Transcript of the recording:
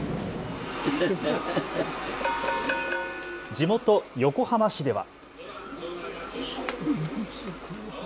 地元、横浜市では。